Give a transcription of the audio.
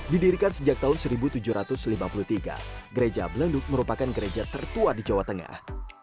didirikan sejak tahun seribu tujuh ratus lima puluh tiga gereja belenduk merupakan gereja tertua di jawa tengah